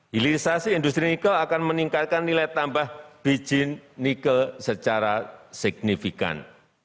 hilirisasi industri nikel akan meningkatkan nilai tambah bijin nikel secara signifikan